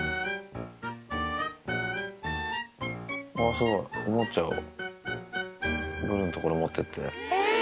すごい、おもちゃをブルーの所に持ってって。